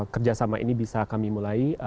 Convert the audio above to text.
kerjasama ini bisa kami mulai